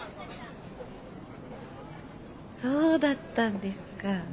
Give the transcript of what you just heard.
そうだったんですか。